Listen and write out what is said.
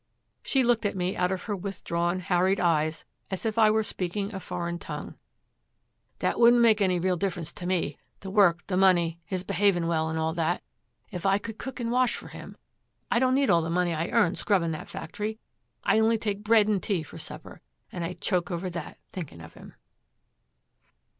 She looked at me out of her withdrawn harried eyes, as if I were speaking a foreign tongue. 'That wouldn't make any real difference to me the work, the money, his behaving well and all that, if I could cook and wash for him; I don't need all the money I earn scrubbing that factory; I only take bread and tea for supper, and I choke over that, thinking of him.'